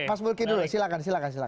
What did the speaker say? mas bulki dulu silahkan